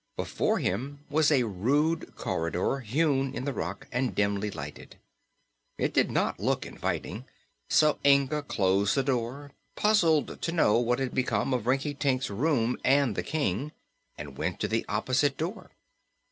Before him was a rude corridor hewn in the rock and dimly lighted. It did not look inviting, so Inga closed the door, puzzled to know what had become of Rinkitink's room and the King, and went to the opposite door.